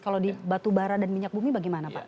kalau di batubara dan minyak bumi bagaimana pak